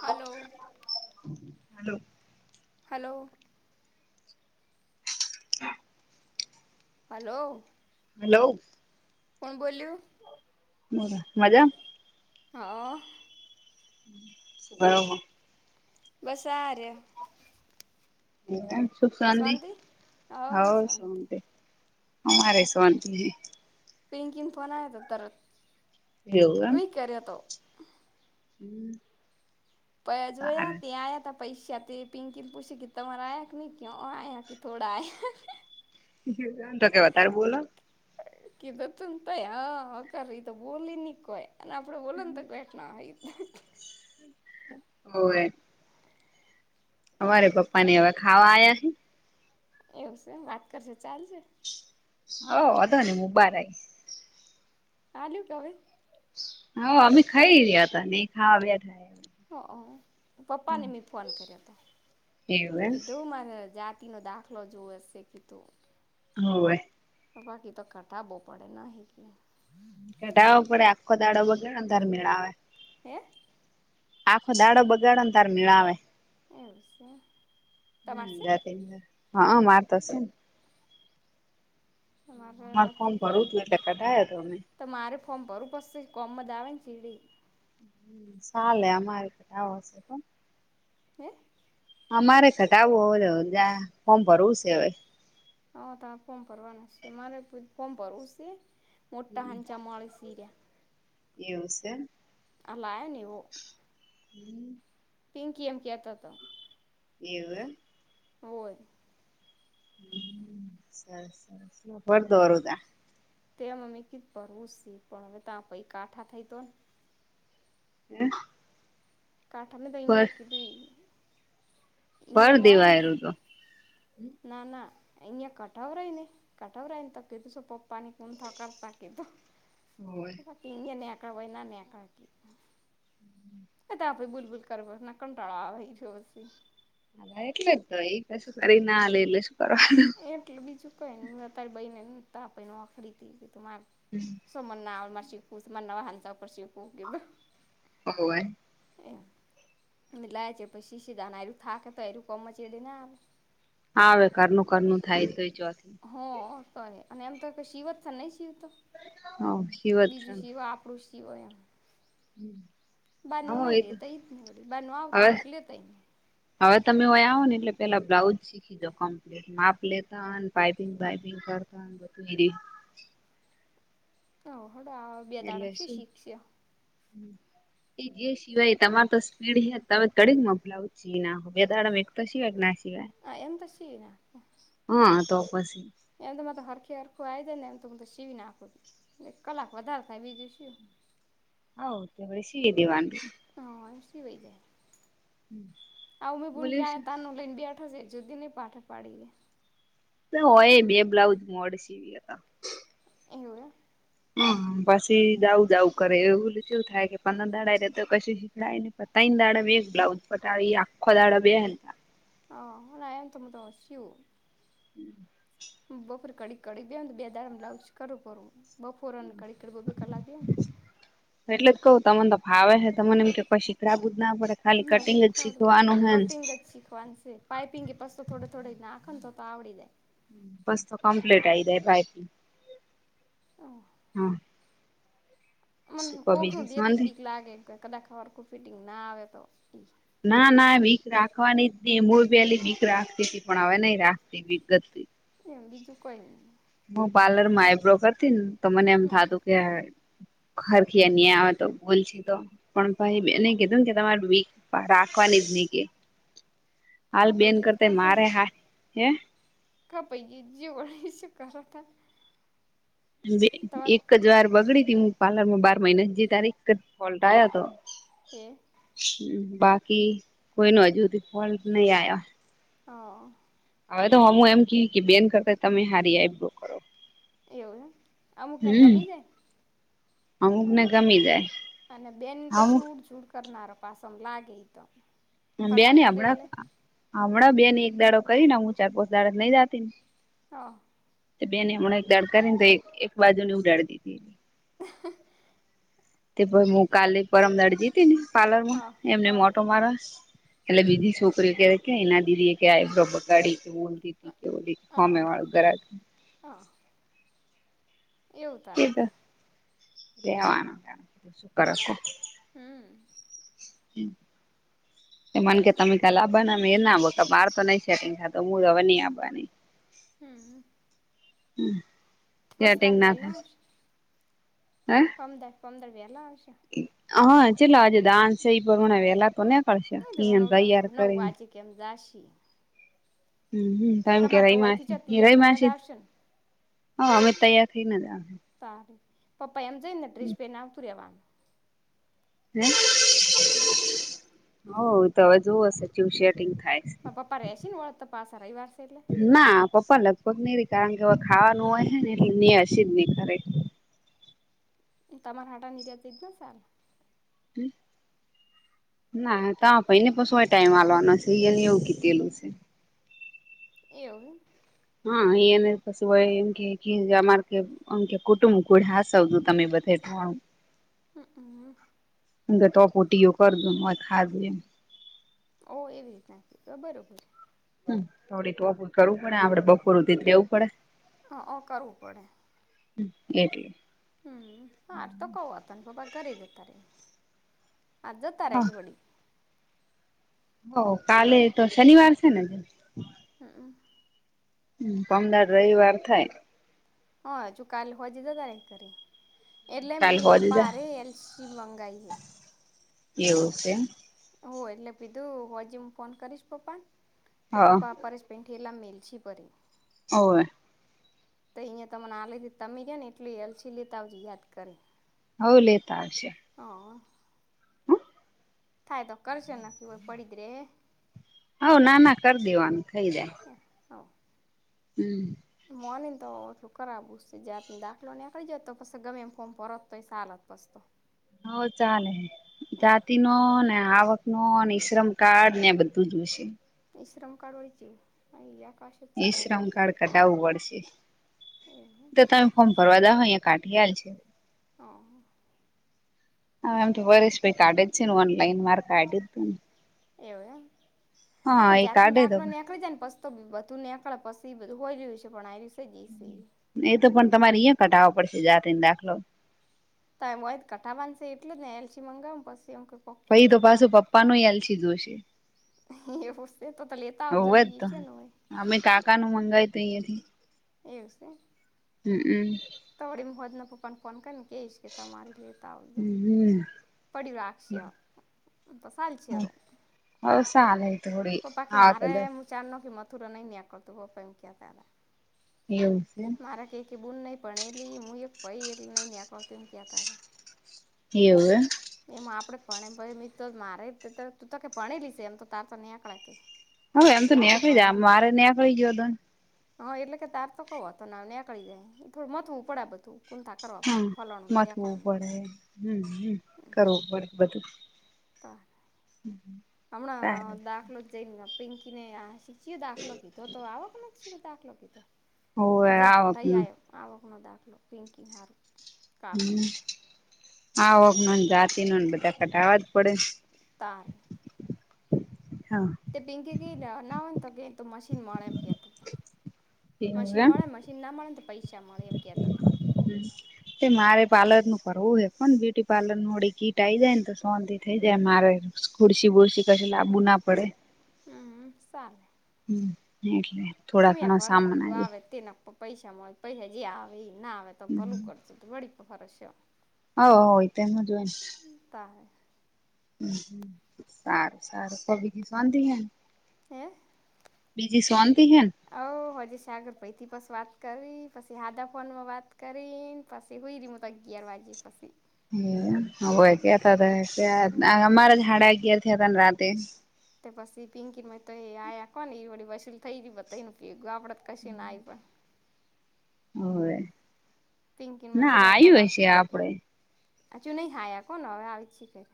Hello hello hello hello hello કોણ બોલ્યું? બરા મજા હા બરાબર બસ આ રહ મ સુખ શાંતિ હો હ શાંતિ શંત અમારે શવાંત પિંકીમ ફોન આવ તો ત એવું એમ કે્યારેતો હમ પ જો ત્યાં સારું આયા ત પૈસાા તે પિંકી ને પૂછી તમારે આયા કે ન ક આયા કે થોડા આ તો કે તારે બોલો કીધ તંત આકાર એ બોલી નની કોય અને આપડે બોલન તો બેઠ ના હોય હોવે અમારે પપ્પા ને હવા ખાવા આવયા છે. એવું છેમ વાત કરશે ચાલશે હ અ હતો નમ મુ બારાઈ આલટવે હા અમે ખાઈ રહ્યા હતાા નહી ખા આવ્યા થાય ઓ પપ્પાને મેી ફોન કર્યો હતો હે એવું કીધું એમ મારે જાત તનો દાખલો જોવએ શખ તોુ હોવે તો બાકી તો કટાાવો પડે ન હ કે ઘઢાવો પડે આખો દાડો બગે અંધાર મેળ આવે હે આખો દાડો બગાડો ને તાર મેળ આવે એવું છે. તમારે હમ છે જતી હા માતાશે તમારે અમાર નથી ફોર્મ ભરવું કીધું હતું એટલે કઢાય તો અમે તો મારે ફોર્મ ભરું પડશે કોમ જ આવે ને ચીડી ચાલે અમારે આવ હશે, પણ હે અમારે ઘટાવવું હો જ્યાં ફોર્મ ભરવું છે, હવે હા તમે ફોમ ભરવાના છે, મારે ફોમ ભરવું છે મોટા હાંચા મળે સીર્યા એવું છે. અલા નવ હમ પિંકી એમ કેતા તો એવ હોય. હમ, સર સર વડદ વરદા તે મમી કી ભરવું સી પણ હવે ત્યા પૈ કાઠા થઈ તો ને એ. કાઠામાં તોઈં આ કીધઈ. ભર અહીંયા મળે દેવાય અરુદો ને ના ના અહીંયા કઠાવ રહી ને. કટવરા એન કીધું સો પપ ની કોમ થ કરતા કીધું. હોય. ટીંગેને કર વ એનાને કર ક. એ તો આપડે બૂલબૂલ કર ના કંટાળો આવે જો પી. હા એટલે જ તો એ કશું કરી ના એટલે શું કરવાનું. એટલે બીજું કઈ ને મે તારી બને નતા આપનેખરીદી ગી તું મારે. હમ. સોમ ના મા શી પુ સુમ ન અંત પણર શીકુ ગીું. હોય. એમ લાવ છે પછી સીધા ના એું થાકે તો એું કમ મચડી ના આવે. હા હવે કરનું કરનુંું થાય તો ચથી. હ તો અને એમ તો શિવ જ છે નહી શિવ તો હવ શિવત છે બીજું શિવા આપ. પૃુષિઓયમ. બાનુ હવ નહી એ તો લેતા ને વ બાનુ આવતું હવે નહી લેતા ને. હવે તમેં આવો ને એટલે પેલા બ્લાઉઝ શીખી દો કંપ. માપ લેતા પાપિંગપિંગ કરતા બુંરી. હડા. એલે શું હ. એ જે સિવાય તમાર તો સ્પીડ હ તમે કડી જ મોકલાવ છ ના હો બેા. તો સિવાય કે ના સિવાય આ એમ તો સીવી નાખું. હા તો પછી. એમ તો મા તો હરખે હરખું આવી જાય ને એમ તો હું તો સીવી નાખું છ એક કલાક વધારે થાય બીજું શું. હઉ ત બ શી દેવાન. હા એમ સી હોય જાય આવમે પણલ બોલ્યું ક્યા શું ત ન. લીંબી આઠો છે જુદી નહીં પાઠ પાડીએ. હોય બે બ્લાઉજ મોડ સીવી હતા. એવું. એમ. હમ પછી જઉું જઉું કરે એવુંલું શું થાય કે પંદર દાડા રે તો પછી. ને પતા ને દાડ બે બ્લાઉજ પતા આખો દાડ બે. હ હ ના એમ તોમ તો હછું. હમ. બપોરે કડીક કરીડી દેને બે દામાં લાવું કરું પું બપોરેને કડીક કરી બે કા લાગીેમ. એટલે જ કઉું તમને તો ભાવે છે તને એમ કે શીખરાબું જ ના પડે. ખાલી ના કટિંગ જ શીખોડું શીખવાનું હે ને કટિંગ જ શીખવાનું છે. પઇપિંગે પસતો તો થોડે થોડ નાખા તો આવડીીે. બસ તો કમ્પ્લીટ આ આવી જાય ભાઈથી જાય. હા. મને શું શ કો કોકરું બીજી લે તો શાંતિ બીક લાગે કદાચરખું ફિટિંગ ના આવે તો. ના ના ભીક રાખવાની જ ન હળ પીલી ભીક રાખતી હતી પણ હવે નઈ રાખતી વિ. એ બીજું કોઈ નહી. હું પાર્લર માં આઈ બ્રોકર થી ને તો મને એમ હમ થતું કે. ઘરખી ન આવે તો બોલ છે તો. પણ ભાઈ એને કીધું ને કે તમારે વક રાખવાની જ નહી કે. [inaudible] હાલ બેન ગયું કરતા મારે હા હે ખા પૈ જવ શું કરત એક જ વાર બગડી ત હું પાર્લર માં બાર મહિના જઈ તારે એક જ ફોલ્ટ આવયો હતો હે હ બાકી કોઈ ન હજુધી ફોલ્ટ નહી આ્યા હ હવે તો હમું એમ ક કે બેન કરતા તમે હારી આઇબ્રો કરો. એવું હે અમુક ને હમ ગમી જાય. અમુક ને ગમી જાય. અને બેન તો અમુક શું ઉડઝૂડ કરનારો પાસમાં લાગે ઇ ત. બેન ને હમણાં હમણાં બેન ને એક દાડો કરીને હું ચાર પોચ દાડ નઈ જતી ને. હા બેને હમણાં એક દાડ કરી ને તો એક બાજુ ને ઉડાડી દીધી. હ તે ભાઇ હું કાલે પરમ દહાડે જીતી ને પાર્લર હ માં એમને હ ઓટો મારવા એટલે બીજી છોકરીઓ કે કે એના દીદી એ કે આ આઇબ્રો બગાડી બોલતી તી કે હામે વાળુ ગ્રાહક હા એવું તરા તો લેવાનું કરે કોણ. હમ હમ [unintelligible] મને કે તમે કાલ આબવાના ના બકા મારે તો નઈ સેટિંગ થાતું હું રવાની ન‌ઇ આવાની. હું હમ [unintelligible] બસ કાલ વેલા આવશો. હ પંદર પંદર વેલા આવશે. હા ચલો આજે ડાન્સ છે એ પ્રમાણે વેલા તો નીકળશે હું દેવા ઇયા નવ દહ તૈયાર નવ કરીને. વાગે કેમ ઝાશી હમ હમ તોમ કે તો હોયથી જ રમાસી તૈયાર થઈને જ રૈમાસી આવશે ને હ અમે તૈયાર થઈને આવજ તારે પપ્પા એમ જઈને ડ્રેસ પહેને આવ તુ રહે્યાવાનું. હ હ તો હવે જોવું હશે ચિવ શટિંગ થાય છે. પપ્પા રેશૈ ને વળતા પાછા રવિવાર છે એટલે? ના પપ્પા લગભગ નઈ રે કારણ કે હવે ખાવાનું હોય હે ને એટલે ને હસી જ નહી કરે. તમારા હાટા નિર્યાત જ ને સારું. હમ ના તો ભાઈ ને પશો ટાઈમ આલવાના છે એ એને એવું કીધેલું છે. એવું. હા અને કશું હોય એમ કે કે અમારું કેમ એમકે કુટુંબ ગૂળ સવજું તમે બધે હ હ. ટપોટીયો કર ખા ઓ એવી રીત નાખી બરોબર હમ થોડી ટોપ કરવું પડે આપડે બપોરુંધી રહેેવું પડે હ ઓ કરવું પડે એટલે હમ હાર તકો અ તન પપા ઘરે જ તારે આ‌ જોતા રે હા વડી હો કાલે તો શનિવાર છે ને. હું પમદાર રવિવાર થાય હઅ, હજુ કાલે હોજે જગાડે કરી. એટલે કાલ મી હોજે પપ્પા જા હારે એલસી મંગાઈ હે. એવું શે. હોવે એટલે પીધું હોજે મુ ફોન કરીશ પપ્પા ન. તો હા પપ્પા પરેશ એન ઠેલા મ મેલશે પરી હોવ. તો ઈય તમન આ લઈ દેત. તમે ગયા ન એટલે એલસી લેતાવ જો યાદ કરીન. હવ, લેતા આવશે. હા. થાય તો કરશે, નકી ઓય પડી જ રેહે. હવ, ના, ના કર દેવાનું થઈ જાય [unintelligible] હમ. મોનીન તો એટલું ખરાબ ગુસે જાતિન દાખલો નેકળી જાત તો પસ ગમે એમ ફોર્મ ભરત તોય સાલત પસ તો હવ, ચાલે જાતિનો ને, આવકનો ને, ઈશ્રમ કાર્ડ ને બધું જોશે. ઈશ્રમ કાર્ડ વળી ચેવું. હા, ઈ આકાશ જ સીધા કો ઈશ્રમ કાર્ડ કઢાવું પડશે. એવું તો તમે ફોર્મ ભરવા જાવ, અહિયા કાઢી આલ શે હા હા, એમ તો હરેસ ભઈ કાઢે જ છે ન ઓનલાઈન માર કાઢયુતુન. એવું એમ. આપડે એ જાતિન કાઢે તો દાખલો નેકળી જાય ન પસ તો બધું નેકળે પસી બધું હોય રહયુ શે, પણ આય રયુ શે જેશે ઈ. એ તો પણ તમાર ઈય કઢાવો પડશે જાતિન દાખલો. તા ઓય ત કઢાવાન શે એટલે જ ને એલસી મંગાવુન પસી એમ ક પહી તો પાશુ પપ્પાનુંય એલસી જોશે એવુ શે, તો તો લે હોવે જ તો, અમે કાકાનું મંગાયુ તું એથી એવુ શે. હમ્મ- તો અવડી મુ હોજના પપ્પાન ફોન કરીને કેશ કે તમારુ જે હમ્મ પડયુ રાખક્ષે અ, તો સાલ સે રો. હવ, સાલે એ તો વડી. પપ્પા કે હા, મારે કદા હું ચારનો કે મથુરા નઈ નેકળતું, પપ્પા ઈમ કેતા તા એવુ શે એમ મારા કઈકે બૂન નઈ ભણેલી, મુય પહી એટલે નઈ નેકળતું ઈમ કેતા તા એવું એમ એમ આપડે ભણેમ ભઈ મી તો મારે તું તો તું તો કે ભણેલી શે એમ, તો તાર તો ને [unintelligible] કે - હોવે, એમ તો નેકળી જાય મારે નેકળી ગયું તુન. હન, એટલે કે તાર તો કોઈ વોધો ના આવે નેકળી જાય, થોડું મથવું પડે બધુ ફંદા કરવા હમ પડે ફલોનું ન મથવું ઢેકણું. પડે હમ હમ તા હમ્મ હમ્મ હમણ દાખલો જઈન પિંકીને યા શી શી દાખલો કીધો તો આવકનો નો દાખલો કીધો. હોવે ઈ જઈન આવક કઢાઈ નું આયો, આવકનો દાખલો પિંકીન હારું. કાકો હમ, આવકનો ન, જાતીનો ન બધા કઢાવા જ પડે. તાર હા તે પિંકી ક નાવા તો કે તું મ મશીન મળે એમ કેતા હતા એવું મશીન એમ મળે મશીન ના મળે તો પૈસા મળે એમ કેતા હતા. એ મારે પાર્લર નું કરવું હે કો ને બ્યુટી પાર્લર ન વડી કીટ આઈ જાય ને તો સોંતથી થઈ જાય મારે ખુરશી બુરસી કશે લબુ ના પડે હમ્મ ચાલે હમ એટ અમેં ફરક કીધું આવે તેના પપ્પ પૈસા મળે પૈસા જે આવે એ ના આવે તો ભલું કરશું વી ફરસ હ હોય તોમ જ હોય, ને ત હ સારું સારું કોબીની સંધ હ હે બીજી શાંતિ હે ઓ હજીે સાગર પૈથી બસ વાત કરી પછી હાદાફોન માં વાત કરી પાછી હય ર મુ ત ગીયરવાજી પાછી હ હ ક અમારા ાડા અગિયાર થ હતા ને રાતે તે પછી પિંકીમાં તો એ આ્યા કોહ ને એ વી વસીલ થઈ ગ એને આપડ જ કશી ને આવી પણ હવે પિંકીમાં ના આવ્યું હ છે, આપડે આ ચું નહ હાયા કો નને આવી છ ફેર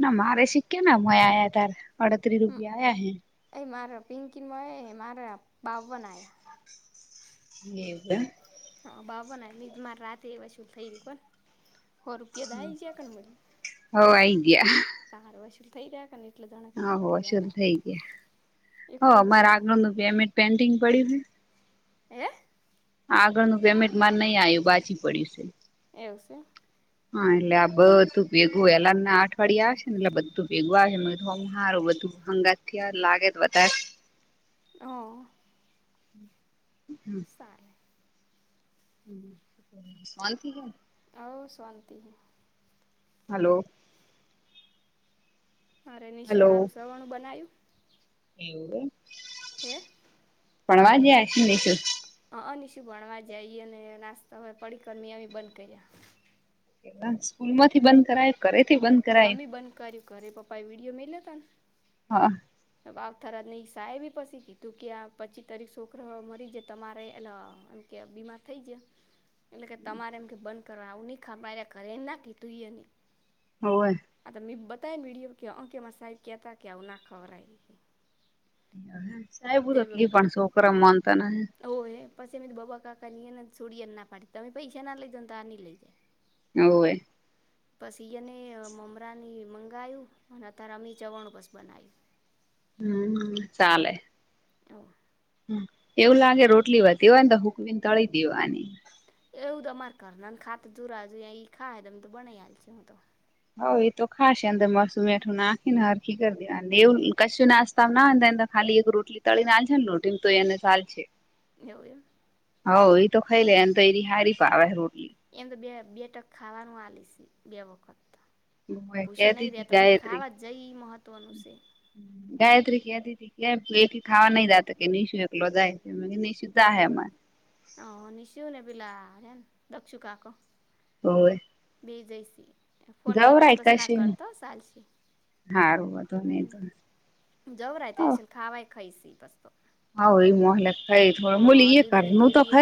ના મારે શીખ્યા મ આ્યા તાર અડત્રી હમ રૂપિયા આ્યા હે એ માર પિંકીિત મય એ મા બાઉ બના આ હ એવવે હા બાબો ને મારે રાતે એવા શધ થઈ ગ્યું કોને હો રૂપિયા દ જખ બ હો આઈ કાર વસૂલ થઈ જ્યાને હ હો શુંધ થઇ ગયા હો એકું જ મારે આગળનું પેમેન્ટ પેન્ટિંગ પડ્યું છે. હ આગળનું પેમેન્ટ મારે નહી આવ્યું બાછી પડ્યું છે. એવું છે. હા એટલે આ બધું ભેગું એલા અઠવાડિિયા આવે છે ને એટલે બધું ભેગું આવે છેારું બધુ હંગાથીયાર લાગે તો બતા આહ સારું હમ શન થી ગ હ શાંતિ હલો. અરે નિશું હલો સારું સવણું બનાવ્યું એવું હે પણવા જશશું હ અનશું ભણવા જઈએ અને નાસ્તા હવે પડીકરમી એ બંધ કર્યા સ્કૂલ માંથી બંધ કરાય ઘે થી બંધ કરાય અમ્ી બંધકાર્યું ઘે પપા એ વિડીિયો મે લેતા ને હા આવ થર નઈ સાહે બી પછી કીધું કે પચી તારી છોકરા મરી જે તમારે એ કે બીમાર થઈ જાય એટલે કે તમારે એમ કે બંધ કરવા આવું નહી ખા ઘરે એ નાખી તુંઈ ન હોય આ તો મ બતાયને વ વિડિયો કે અંકેમાં સાહેબ ક્યા હતા કે્યા ઉના ખબર આ છે. સાહેબ તોલી પણ છોકરા મન તો ન ઓ હે પછી મેમે તો બાબાકા ની ને છોડીને ના પાડીી તમે પૈસા ના લઈ જ ને તો આ ન લઈ જાય. હવે. બસ ઈને મમરાની મંગાયું અને ત રમી ચવણ બસ બનાાયું. હમ્મ ચાલે. તો. એવું લાગે રોટલી વધી હોયને હુકવીને તળી દેવાની. એવું તો અ તમારે ઘર નને ખાતા તો જુરાજ યાં એ ખા તોમ તો બનાઈ હાલશેું હું તો. હઉ એ તો ખાશે અંદર મસું મઠું નાખી ને હ. ખી કરી દે એવું કશછ નાસ્તા નાંધ ખાલી એક રોટલી તળી છે ને લોટમ તો એને ચાલ છે. એવું એમ હ એ તો ખાઈ લે એમ તો એની હારી પણ આવે રોટલી. એમ તો બે બે ટક ખાવાનું આલીશ બે વખત. ભૂષણ કેતી નહી રહ્યા તી હતા પણ ગાયત્રી ખાવા જઈ મહત્વનું છે. ગાયત્રી ક આ હતી. ઠ એકથી ખાવા નઈ જત કે નિશું વેકલો જાય છે નિશુ જાય. હ નિસ્યુંને પિલારેન દક્ષુકાાકો. હોવે. બે જઈસી. ફોન કપ જવરાય ઉપસ ના કશી નઈ કરતોો સલશી હારું વાંધો નઈ હમ. તો જવરા ત ખાવાય ખાઈ સી બસતો. હા એ મોલખ ખાય થોડ બોલી એ દૂધની કરું તો ઠેલીએ ખાઈ.